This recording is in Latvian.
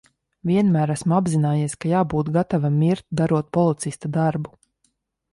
Vienmēr esmu apzinājies, ka jābūt gatavam mirt, darot policista darbu.